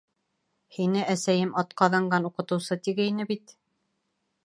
— Һине әсәйем атҡаҙанған уҡытыусы, тигәйне бит.